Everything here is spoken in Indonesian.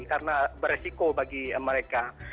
karena beresiko bagi mereka